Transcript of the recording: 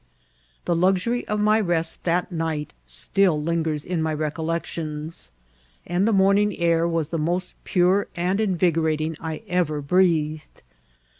The luxury of my rest that nig^t still lingers in my reoc^ections, and the morning air was the most pure and invigorating I erer breathed.